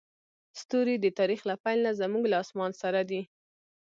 ستوري د تاریخ له پیل نه زموږ له اسمان سره دي.